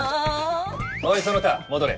おいその他戻れ。